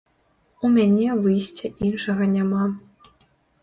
У мяне выйсця іншага няма.